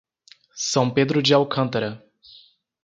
São Pedro de Alcântara